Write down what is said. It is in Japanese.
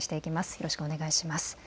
よろしくお願いします。